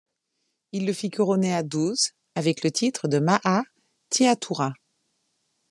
Il le fit couronner à douze, avec le titre de Maha Thihathura.